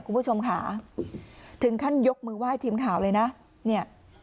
คุณผู้ชมค่ะถึงขั้นยกมือไหว้ทีมข่าวเลยนะเนี่ย